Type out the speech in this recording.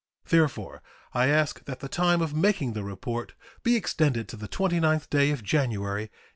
Therefore I ask that the time of making the report be extended to the 29th day of January, 1877.